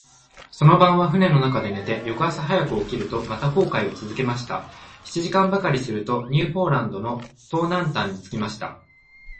その晩は舟の中で寝て、翌朝早く起きると、また航海をつづけました。七時間ばかりすると、ニューポランドの東南端に着きました。